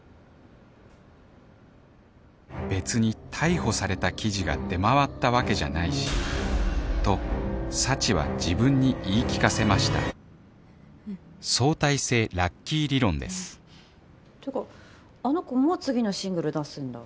別に逮捕された記事が出回ったわけじゃないしと幸は自分に言い聞かせました相対性ラッキー理論ですてかあの子もう次のシングル出すんだ。